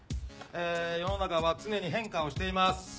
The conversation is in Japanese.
世の中は常に変化をしています。